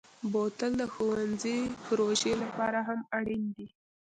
بوتل د ښوونځي پروژو لپاره هم اړین دی.